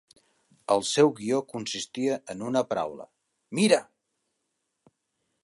El seu guió consistia en una paraula: "Mira!".